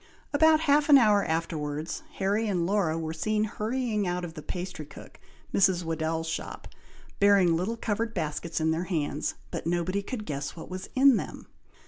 About half an hour afterwards, Harry and Laura were seen hurrying out of the pastry cook, Mrs. Weddell's shop, bearing little covered baskets in their hands, but nobody could guess what was in them.